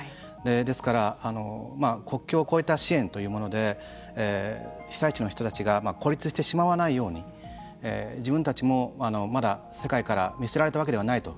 ですから、国境を越えた支援というもので被災地の人たちが孤立してしまわないように自分たちも、まだ世界から見捨てられたわけではないと。